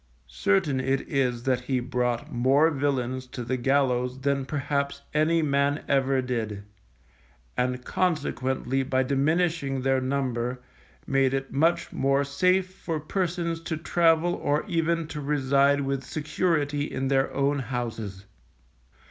Certain it is that he brought more villains to the gallows than perhaps any man ever did, and consequently by diminishing their number, made it much more safe for persons to travel or even to reside with security in their own houses.